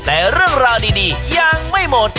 แต่เรื่องราวดียังไม่หมด